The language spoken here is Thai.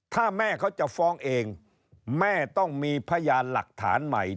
ถ้าแม่เขาจะฟ้องเองแม่ต้องมีพยานหลักฐานใหม่